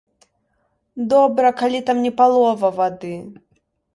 Добра, калі там не палова вады.